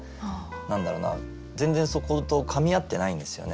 何だろうな全然そことかみ合ってないんですよね。